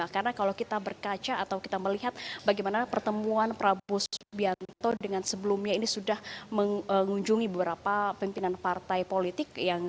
karena kalau kita berkaca atau kita melihat bagaimana pertemuan prabu subianto dengan sebelumnya ini sudah mengunjungi beberapa pimpinan partai politik